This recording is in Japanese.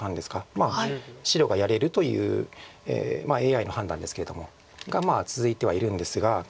まあ白がやれるというＡＩの判断ですけれども。が続いてはいるんですが。